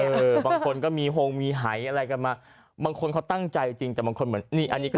บางคนก็มีโฮงมีหายอะไรกันมาบางคนเขาตั้งใจจริงแต่บางคนเหมือนนี่อันนี้ก็